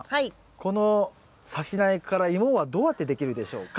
このさし苗からイモはどうやってできるでしょうか？